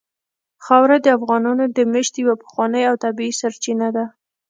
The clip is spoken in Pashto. خاوره د افغانانو د معیشت یوه پخوانۍ او طبیعي سرچینه ده.